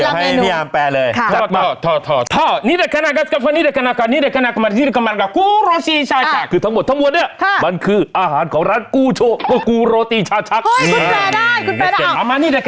ให้แนะนำเมนูแล้วเดี๋ยวให้พี่ยามแปลเลย